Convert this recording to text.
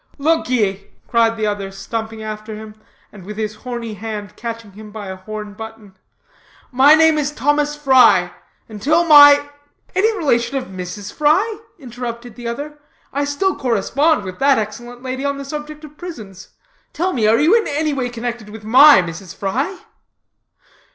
"Look ye," cried the other, stumping after him, and with his horny hand catching him by a horn button, "my name is Thomas Fry. Until my " "Any relation of Mrs. Fry?" interrupted the other. "I still correspond with that excellent lady on the subject of prisons. Tell me, are you anyway connected with my Mrs. Fry?"